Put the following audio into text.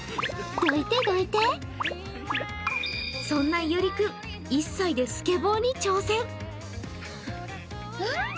そんないおり君、１歳でスケボーに挑戦。